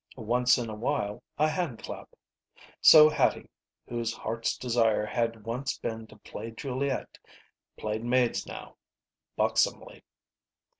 Once in a while, a handclap. So Hattie, whose heart's desire had once been to play Juliet, played maids now. Buxomly.